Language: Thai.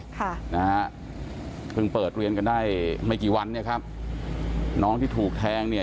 ค่ะนะฮะเพิ่งเปิดเรียนกันได้ไม่กี่วันเนี่ยครับน้องที่ถูกแทงเนี่ย